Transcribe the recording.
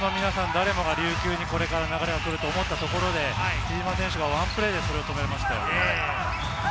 誰もが琉球にこれから流れが来るかと思ったところ、比江島選手がワンプレーでそれを止めましたよね。